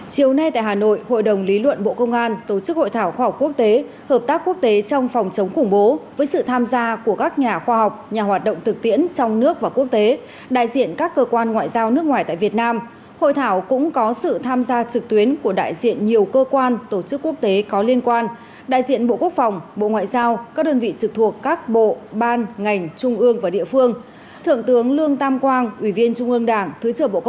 chiều nay tại hà nội hội đồng lý luận bộ công an tổ chức hội thảo khoa học quốc tế hợp tác quốc tế trong phòng chống khủng bố với sự tham gia của các nhà khoa học nhà hoạt động thực tiễn trong nước và quốc tế đại diện các cơ quan ngoại giao nước ngoài tại việt nam hội thảo cũng có sự tham gia trực tuyến của đại diện nhiều cơ quan tổ chức quốc tế có liên quan đại diện bộ quốc phòng bộ ngoại giao các đơn vị trực thuộc các bộ ban ngành trung ương và địa phương thượng tướng lương tam quang ủy viên trung ương đảng thứ trưởng bộ quốc tế h